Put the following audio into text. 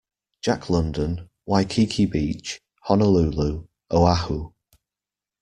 Jack London, Waikiki Beach, Honolulu, Oahu.